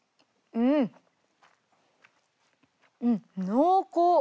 うん濃厚！